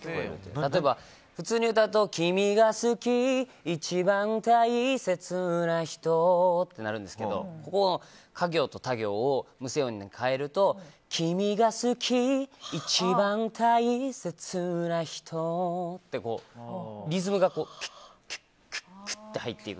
例えば、普通に歌うと君が好き、一番大切な人ってなるんですがここのか行とた行を無声音に変えると君が好き、一番大切な人ってリズムが、くっと入っていく。